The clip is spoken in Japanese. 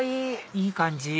いい感じ